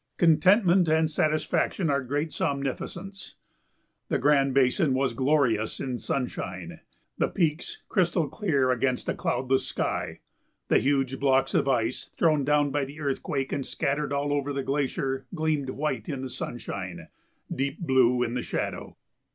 Contentment and satisfaction are great somnifacients. The Grand Basin was glorious in sunshine, the peaks crystal clear against a cloudless sky, the huge blocks of ice thrown down by the earthquake and scattered all over the glacier gleamed white in the sunshine, deep blue in the shadow.